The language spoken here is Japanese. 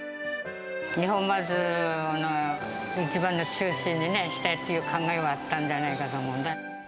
町の一番の中心にね、したいっていう考えはあったんじゃないかと思うんだ。